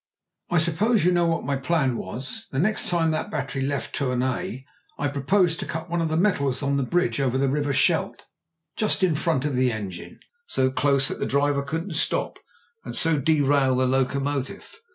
"I suppose you know what my plan was. The next time that battery left Tournai I proposed to cut one of the metals on the bridge over the River Scheldt, just in front of the engine, so close that the driver couldn't stop, and so derail the locomotive.